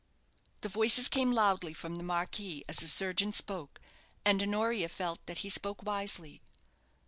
The voices came loudly from the marquee as the surgeon spoke; and Honoria felt that he spoke wisely.